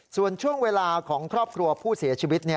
ส่วนช่วงเวลาของครอบครัวผู้เสียชีวิต